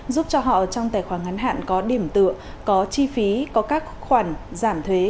giúp cho họ trong tài khoản ngắn hạn có điểm tựa có chi phí có các khoản giảm thuế